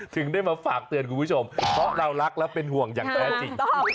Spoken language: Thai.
ถึงได้มาฝากเตือนคุณผู้ชมเพราะเรารักและเป็นห่วงอย่างแท้จริง